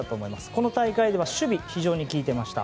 この大会では守備が非常に効いていました。